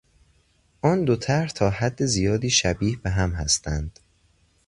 آن دو طرح تا حد زیادی شبیه به هم هستند.